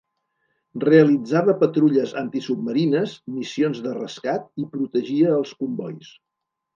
Realitzava patrulles antisubmarines, missions de rescat i protegia els combois.